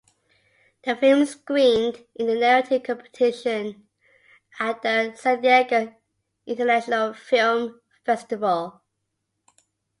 The film screened in the narrative competition at the San Diego International Film Festival.